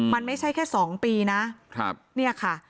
มันไม่ใช่แค่๒ปีนะเนี่ยค่ะ